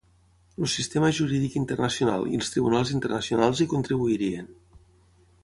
El sistema jurídic internacional i els tribunals internacionals hi contribuirien.